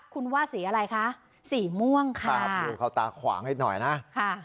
คุณว่าสีอะไรคะสีม่วงค่ะตาภูเขาตาขวางให้หน่อยนะค่ะ